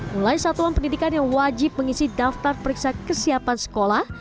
mulai satuan pendidikan yang wajib mengisi daftar periksa kesiapan sekolah